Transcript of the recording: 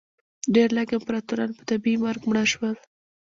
ډېر لږ امپراتوران په طبیعي مرګ مړه شول